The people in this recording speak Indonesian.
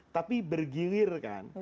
tapi bergilir kan